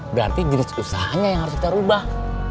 berarti jenis usahanya yang harus kita ubah